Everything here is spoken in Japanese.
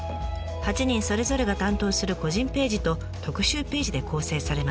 ８人それぞれが担当する個人ページと特集ページで構成されます。